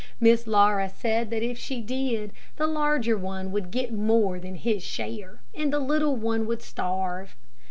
Miss Laura said that if she did, the larger one would get more than his share, and the little one would starve.